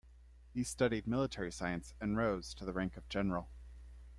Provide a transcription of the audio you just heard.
He studied military science and rose to the rank of general.